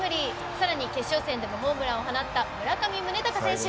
さらに決勝戦でもホームランを放った村上宗隆選手。